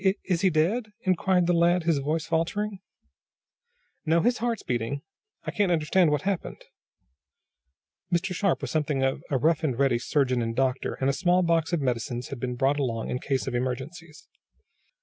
"Is is he dead?" inquired the lad, his voice faltering. "No, his heart's beating. I can't understand what happened." Mr. Sharp was something of a rough and ready surgeon and doctor, and a small box of medicines had been brought along in case of emergencies.